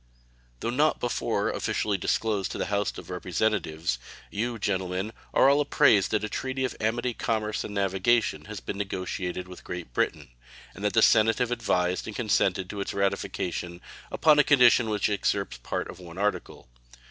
Though not before officially disclosed to the House of Representatives, you, gentlemen, are all apprised that a treaty of amity, commerce, and navigation has been negotiated with Great Britain, and that the Senate have advised and consented to its ratification upon a condition which excepts part of one article.